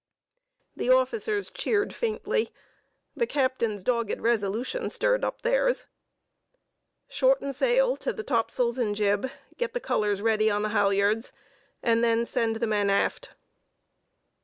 The officers cheered faintly: the captain's dogged resolution stirred up theirs.... "Shorten sail to the taupsles and jib, get the colors ready on the halyards, and then send the men aft...."